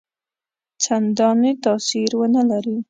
څنداني تاثیر ونه لري.